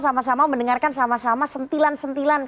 sama sama mendengarkan sama sama sentilan sentilan